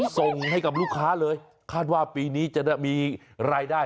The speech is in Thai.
ส่งให้กับลูกค้าเลยคาดว่าปีนี้จะได้มีรายได้